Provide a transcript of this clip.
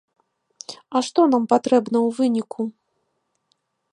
А што нам патрэбна ў выніку?